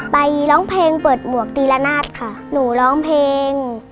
ร้องเพลงเปิดหมวกตีละนาดค่ะหนูร้องเพลง